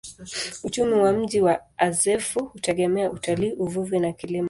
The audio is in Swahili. Uchumi wa mji wa Azeffou hutegemea utalii, uvuvi na kilimo.